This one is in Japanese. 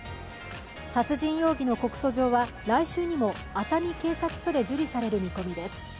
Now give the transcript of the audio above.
殺人容疑の告訴状は来週にも熱海警察署で受理される見込みです。